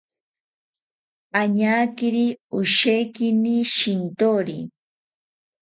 Añakiri oshekini shintori